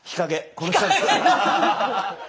この下です。